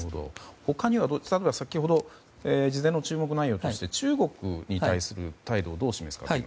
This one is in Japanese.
他には先ほど事前の注目内容として中国に対する態度をどう示すか。